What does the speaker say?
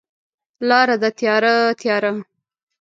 لاره ده تیاره، تیاره